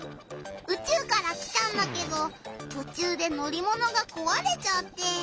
宇宙から来たんだけどとちゅうでのりものがこわれちゃって。